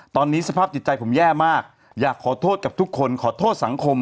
ตอนนี้สภาพจิตใจผมแย่มากอยากขอโทษกับทุกคนขอโทษสังคม